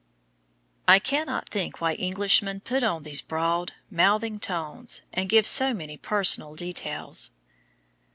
I cannot think why Englishmen put on these broad, mouthing tones, and give so many personal details.